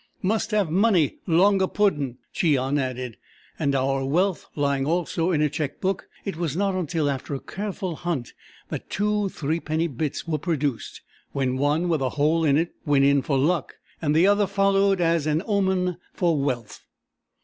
"Must have money longa poodin'!" Cheon added, and our wealth lying also in a cheque book, it was not until after a careful hunt that two threepenny bits were produced, when one, with a hole in it, went in "for luck," and the other followed as an omen for wealth.